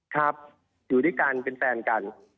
ครับอยู่ด้วยกันเป็นแฟนกัน